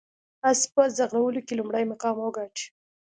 اس په ځغلولو کې لومړی مقام وګاټه.